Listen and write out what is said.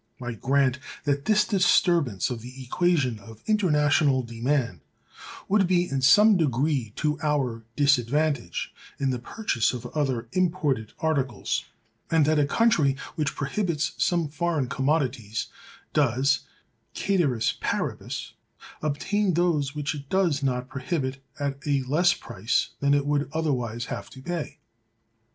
I grant that this disturbance of the equation of international demand would be in some degree to our disadvantage, in the purchase of other imported articles; and that a country which prohibits some foreign commodities, does, cæteris paribus, obtain those which it does not prohibit at a less price than it would otherwise have to pay.